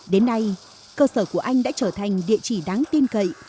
đến nay cơ sở của anh đã trở thành địa chỉ đáng tin cậy